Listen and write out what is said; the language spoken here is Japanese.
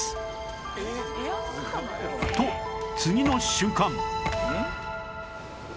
次の瞬間